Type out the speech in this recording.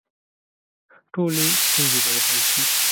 ټولې ستونزې به یې حل شي.